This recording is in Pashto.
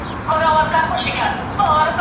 فردي ملکيت د پانګوال نظام زيږنده ده.